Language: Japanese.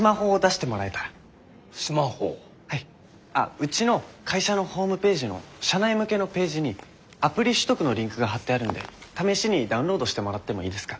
うちの会社のホームページの社内向けのページにアプリ取得のリンクが貼ってあるんで試しにダウンロードしてもらってもいいですか？